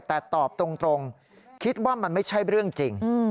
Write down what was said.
แต่ตอบตรงคิดว่ามันไม่ใช่เรื่องจริง